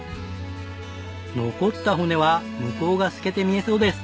残った骨は向こうが透けて見えそうです！